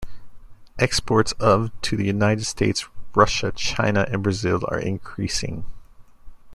Exports of to the United States, Russia, China and Brazil are increasing.